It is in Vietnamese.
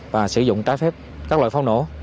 và sử dụng trái phép các loại pháo nổ